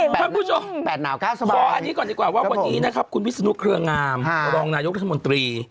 ท่านผู้ชมขออันนี้ก่อนดีกว่าว่าวันนี้นะครับคุณวิศนุเครืองามรองนายกรัฐมนตรี